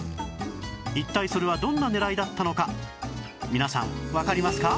一体それはどんな狙いだったのか皆さんわかりますか？